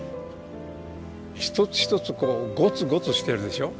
一つ一つこうゴツゴツしてるでしょ。